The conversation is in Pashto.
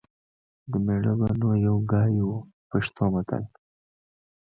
د مېړه به نو یو ګای و . پښتو متل